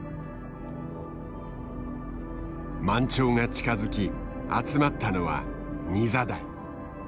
満潮が近づき集まったのはニザダイ。